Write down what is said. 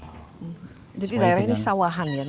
jadi daerah ini sawahan ya